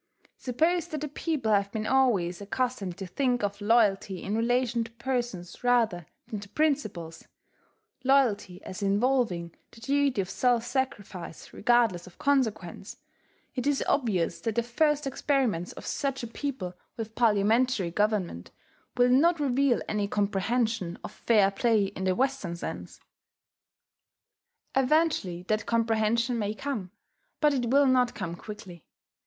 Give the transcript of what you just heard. Suppose that a people have been always accustomed to think of loyalty in relation to persons rather than to principles, loyalty as involving the duty of self sacrifice regardless of consequence, it is obvious that the first experiments of such a people with parliamentary government will not reveal any comprehension of fair play in the Western sense. Eventually that comprehension may come; but it will not come quickly.